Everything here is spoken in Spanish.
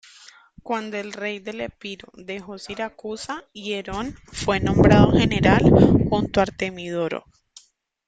Cuando el rey del Epiro dejó Siracusa, Hierón fue nombrado general junto a Artemidoro.